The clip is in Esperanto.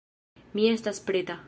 Mi estas preta...